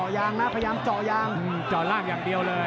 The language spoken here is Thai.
ย้อนล่างอย่างเดียวเลย